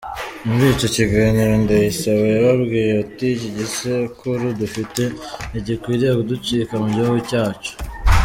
Muri icyo kiganiro, Ndayisaba yababwiye ati “Iki gisekuru dufite ntigikwiriye kuducika mu gihugu cyacu.